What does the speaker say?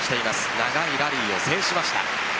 長いラリーを制しました。